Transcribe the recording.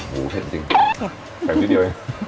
โหเผ็ดจริงเผ็ดสิ